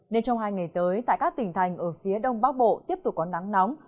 nên trong hai ngày tới tại các tỉnh thành ở phía đông bắc bộ tiếp tục có nắng nóng